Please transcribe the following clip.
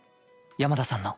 山田さんの。